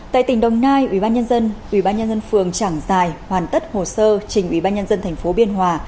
tại tỉnh đồng nai ủy ban nhân dân ủy ban nhân dân phường trảng giài hoàn tất hồ sơ trình ủy ban nhân dân thành phố biên hòa